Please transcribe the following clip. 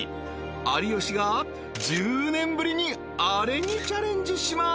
［有吉が１０年ぶりにあれにチャレンジしまーす！］